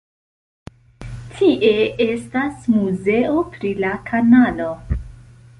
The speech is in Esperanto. Tie estas muzeo pri la kanalo.